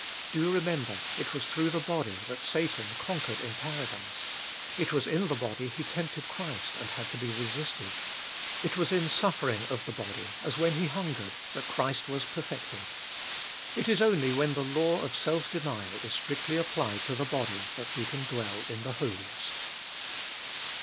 Do remember, it was through the body that Satan conquered in Paradise ; It was in the body he tempted Christ and had to be resisted. It was in suffering of the body, as when He hungered, that Christ was perfected. It is only when the law of self denial is strictly applied to the body, that we can dwell in the Holiest.